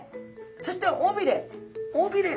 そして尾びれ。